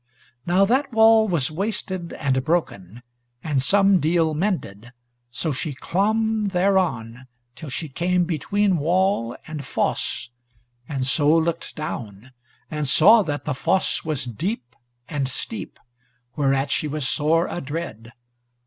Now that wall was wasted and broken, and some deal mended, so she clomb thereon till she came between wall and fosse, and so looked down, and saw that the fosse was deep and steep, whereat she was sore adread.